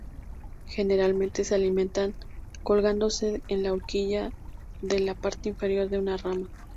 Generalmente se alimentan colgándose en la horquilla de la parte inferior de una rama.